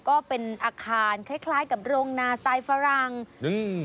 ก็เป็นอาคารคล้ายคล้ายกับโรงนาสไตล์ฝรั่งอืม